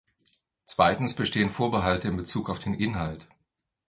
Zweitens bestehen Vorbehalte in Bezug auf den Inhalt.